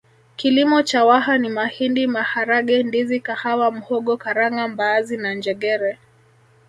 Kilimo cha Waha ni mahindi maharage ndizi kahawa mhogo karanga mbaazi na njegere